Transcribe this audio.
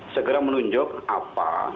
segera menunjuk apa